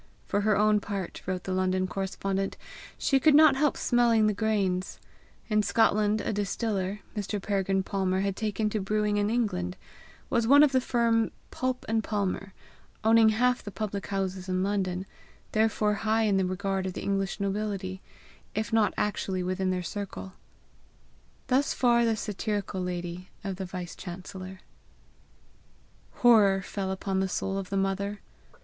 For her own part, wrote the London correspondent, she could not help smelling the grains: in Scotland a distiller, Mr. Peregrine Palmer had taken to brewing in England was one of the firm Pulp and Palmer, owning half the public houses in London, therefore high in the regard of the English nobility, if not actually within their circle. Thus far the satirical lady of the vice chancellor. Horror fell upon the soul of the mother.